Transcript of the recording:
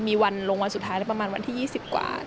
มีวันลงวันสุดท้ายแล้วประมาณวันที่๒๐กว่า